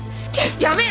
やめよ！